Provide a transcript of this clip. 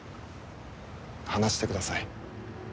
話してください。